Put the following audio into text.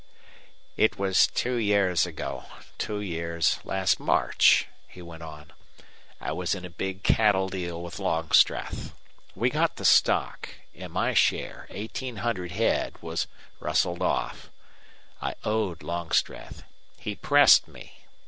"It was two years ago two years last March," he went on. "I was in a big cattle deal with Longstreth. We got the stock an' my share, eighteen hundred head, was rustled off. I owed Longstreth. He pressed me.